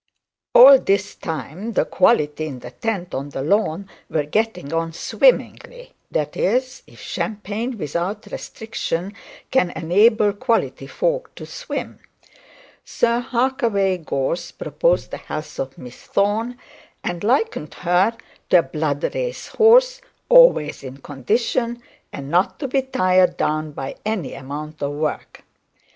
All this time the quality in the tent on the lawn were getting on swimmingly; that is, champagne without restrictions can enable quality fold to swim. Sir Harkaway Gorse proposed the health of Miss Thorne, and likened her to a blood race horse, always in condition, and not to be tired down by any amount of work.